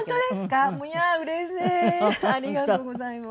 ありがとうございます。